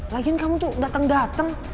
lagian kamu tuh dateng dateng